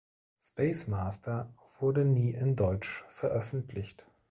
Space Master wurde nie in deutsch veröffentlicht.